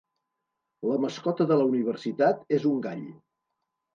La mascota de la universitat és un gall.